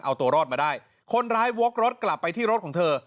เอาตัวรอดมาได้คนร้ายวกรถกลับไปที่รถของเธอ